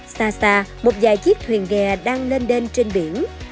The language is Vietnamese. xa xa một vài chiếc thuyền ghè đang lên lên trên biển